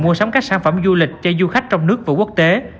mua sắm các sản phẩm du lịch cho du khách trong nước và quốc tế